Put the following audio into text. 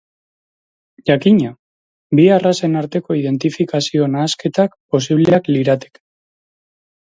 Jakina, bi arrazen arteko identifikazio nahasketak posibleak lirateke.